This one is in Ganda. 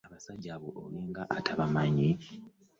Abasajja abo olinga atabamanyi?